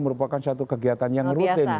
merupakan satu kegiatan yang rutin